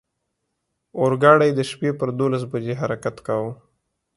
اورګاډی د شپې پر دولس بجې حرکت کاوه.